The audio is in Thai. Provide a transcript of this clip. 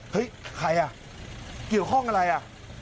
เฮ้ยใครอ่ะเกี่ยวข้องอะไรอ่ะ